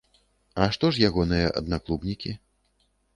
А што ж ягоныя аднаклубнікі?